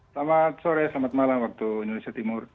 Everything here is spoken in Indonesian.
selamat sore selamat malam waktu indonesia timur